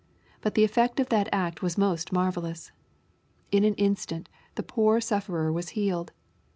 But the effect of that act was most marvellous I In an instant the poor sufferer was healed.